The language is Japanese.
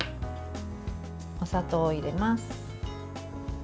お砂糖を入れます。